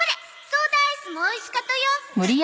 ソーダアイスもおいしかとよ。